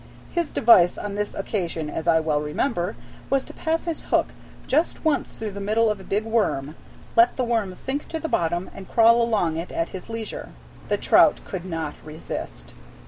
His device on this occasion, as I well remember, was to pass his hook but once through the middle of a big worm, let the worm sink to the bottom, and crawl along it at his leisure. The trout could not resist.